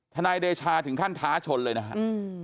นายเดชาถึงขั้นท้าชนเลยนะครับ